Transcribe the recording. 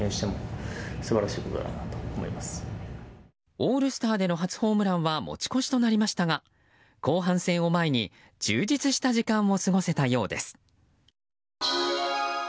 オールスターでの初ホームランは持ち越しとなりましたが後半戦を前に充実した時間を過ごせたようです。